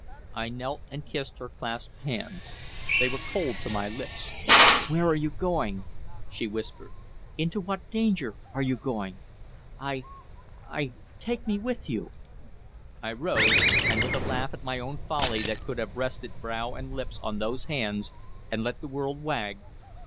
I knelt and kissed her clasped hands. They were cold to my lips. "Where are you going?" she whispered. "Into what danger are you going? I I take me with you!" I rose, with a laugh at my own folly that could have rested brow and lips on those hands, and let the world wag.